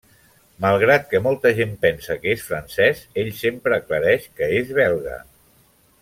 Malgrat que molta gent pensa que és francès, ell sempre aclareix que és belga.